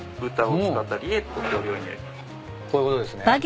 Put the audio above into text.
こういうことですね？